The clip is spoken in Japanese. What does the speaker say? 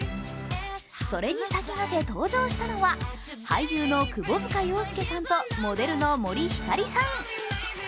それに先駆け登場したのは、俳優の窪塚洋介さんとモデルの森星さん。